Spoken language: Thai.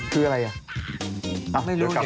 คืออะไรอ่ะ